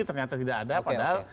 ternyata tidak ada padahal